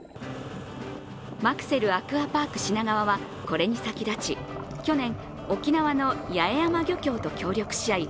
マクセルアクアパーク品川はこれに先立ち去年、沖縄の八重山漁協と協力し合い